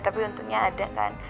tapi untungnya ada kan